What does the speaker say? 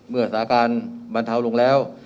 สถานการณ์บรรเทาลงแล้ว